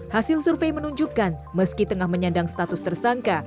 hasil survei menunjukkan meski tengah menyandang status tersangka